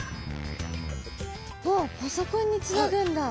うわっパソコンにつなぐんだ。